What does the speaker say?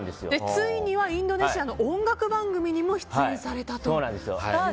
ついにはインドネシアの音楽番組にも出演されたということで。